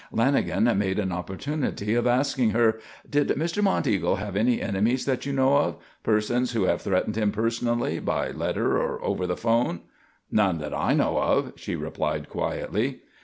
Lanagan made an opportunity of asking her: "Did Mr. Monteagle have any enemies that you know of? Persons who have threatened him personally, by letter or over the 'phone?" "None that I know of," she replied quietly.